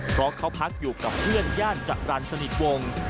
เพราะเขาพักอยู่กับเพื่อนย่านจรรย์สนิทวง